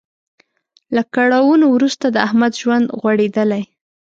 له کړاوونو وروسته د احمد ژوند غوړیدلی.